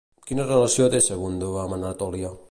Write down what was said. Quina relació té Segundo amb Anatolia?